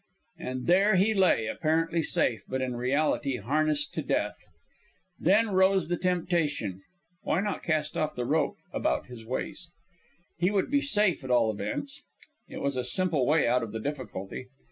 And there he lay, apparently safe, but in reality harnessed to death. Then rose the temptation. Why not cast off the rope about his waist? He would be safe at all events. It was a simple way out of the difficulty.